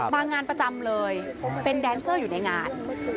มางานประจำเลยเป็นแดนเซอร์อยู่ในงาน